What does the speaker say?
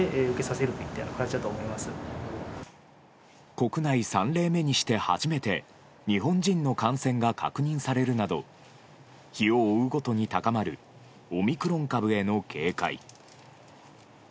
国内３例目にして初めて日本人の感染が確認されるなど日を追うごとに高まるオミクロン株への警戒。